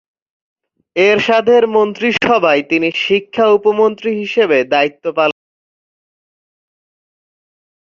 এরশাদের মন্ত্রিসভায় তিনি শিক্ষা-উপমন্ত্রী হিসেবে দায়িত্ব পালন করেন।